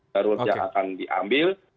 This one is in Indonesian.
taruh saja akan diambil